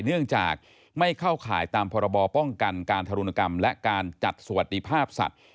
เนื่องจากไม่เข้าข่ายตามพรบป้องกันการธรุณกรรมและการจัดสวัสดิภาพสัตว์